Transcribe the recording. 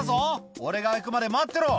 俺が行くまで待ってろ。